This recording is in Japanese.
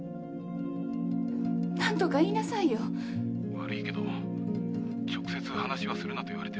☎悪いけど直接話はするなと言われてる。